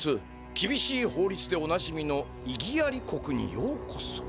きびしい法律でおなじみのイギアリ国にようこそ！！」。